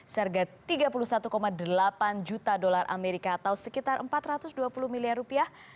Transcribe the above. seharga tiga puluh satu delapan juta dolar amerika atau sekitar empat ratus dua puluh miliar rupiah